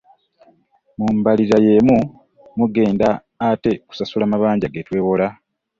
Mu mbalirira y'emu mugenda ate kusasula amabanja ge twewola.